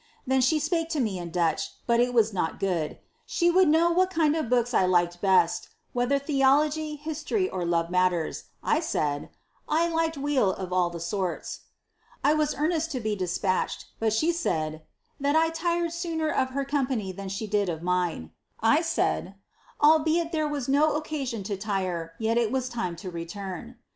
Then she spake to me ii Dutch, but it was not good ; she would know what kind of books I /iked best, whether theology, history, or love maiters, 1 said, ' I liket weel of all the sorts.' 1 was eftTTteal U> \>ft &B«^u:'ne^ hui she salt XIrlSABBTH. 171 'Alt I tired sooner of her company than she did of mine ;' I said, ^ Al beit there was no occasion to tire, yet it was time to return.'